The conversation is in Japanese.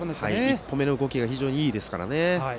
１歩目の動きが非常にいいですからね。